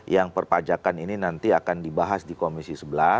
yang perpajakan ini nanti akan dibahas di komisi sebelas